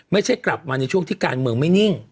ไม่ใช่กลับมาในช่วงที่การเมืองไม่นิ่ง